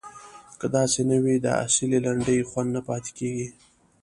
که داسې نه وي د اصیلې لنډۍ خوند نه پاتې کیږي.